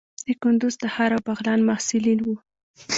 د کندوز، تخار او بغلان محصلین وو.